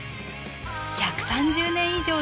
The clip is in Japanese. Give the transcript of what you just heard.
１３０年以上続く